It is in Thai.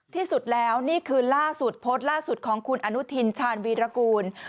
ที่สุดแล้วนี่คือล่าสุดโพสต์ล่าสุดของคุณอนุทินชาญวีรกูล